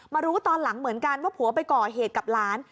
รู้ตอนหลังเหมือนกันว่าผัวไปก่อเหตุกับหลาน